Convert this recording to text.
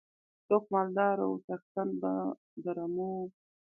څوک مالدار وو څښتنان به د رمو وو.